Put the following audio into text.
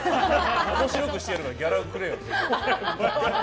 面白くしてやるからギャラくれよって。